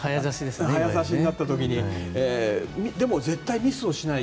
早指しになった時にでも、絶対ミスをしない。